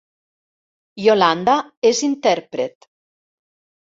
Yolanda és intèrpret